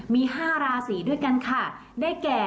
มี๕ราศีด้วยกันค่ะ